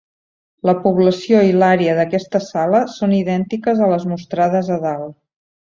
La població i l'àrea d'aquesta sala són idèntiques a les mostrades a dalt.